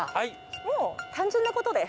もう単純なことです。